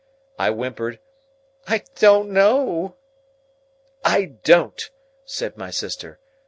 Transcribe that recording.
I whimpered, "I don't know." "I don't!" said my sister.